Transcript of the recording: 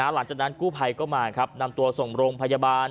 หลังจากนั้นกู้ภัยก็มาครับนำตัวส่งโรงพยาบาล